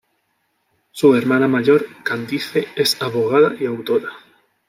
Su hermana mayor, Candice, es abogada y autora.